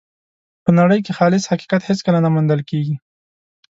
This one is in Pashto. په نړۍ کې خالص حقیقت هېڅکله نه موندل کېږي.